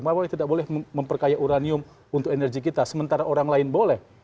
bahwa tidak boleh memperkaya uranium untuk energi kita sementara orang lain boleh